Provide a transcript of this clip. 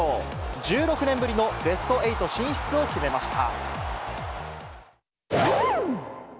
１６年ぶりのベスト８進出を決めました。